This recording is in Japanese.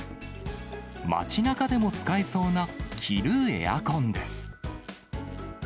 街なかでも使えそうな着るエアコンです。